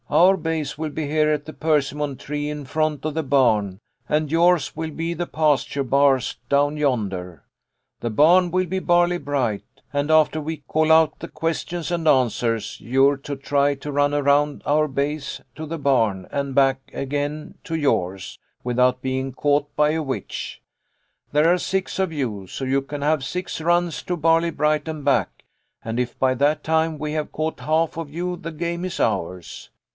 Our base will be here at the persimmon tree in front of the barn, and yours will be the pasture bars down yonder. The barn will be Barley bright, and after we call out the questions and answers, you're to try to run around our base to the barn, and back again to 56 THE LITTLE COLONEL'S HOLIDAYS. yours, without being caught by a witch. There are six of you, so you can have six runs to Barley bright and back, and if by that time we have caught half of you the game is ours.